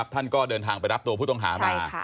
ท่านก็เดินทางไปรับตัวผู้ต้องหามา